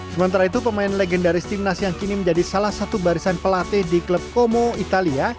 sementara itu pemain legendaris timnas yang kini menjadi salah satu barisan pelatih di klub como italia